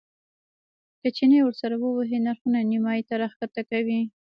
که چنې ورسره ووهې نرخونه نیمایي ته راښکته کوي.